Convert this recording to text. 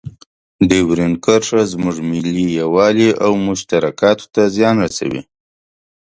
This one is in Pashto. ډیورنډ کرښه زموږ ملي یووالي او مشترکاتو ته زیان رسوي.